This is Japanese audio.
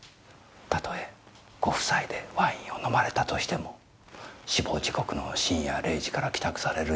たとえご夫妻でワインを飲まれたとしても死亡時刻の深夜０時から帰宅される